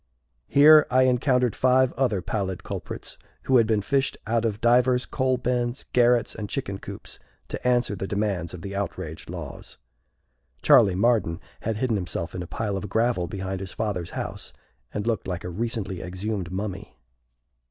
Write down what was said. Here I encountered five other pallid culprits, who had been fished out of divers coal bins, garrets, and chicken coops, to answer the demands of the outraged laws. (Charley Marden had hidden himself in a pile of gravel behind his father's house, and looked like a recently exhumed mummy.)